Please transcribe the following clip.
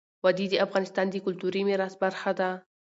وادي د افغانستان د کلتوري میراث برخه ده.